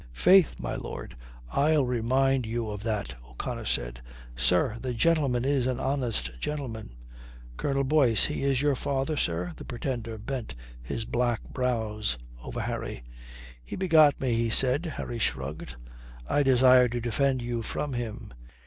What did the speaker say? "Faith, my lord, I'll remind you of that," O'Connor said. "Sir, the gentleman is an honest gentleman." "Colonel Boyce he is your father, sir?" the Pretender bent his black brows over Harry. "He begot me, he says." Harry shrugged. "I desire to defend you from him.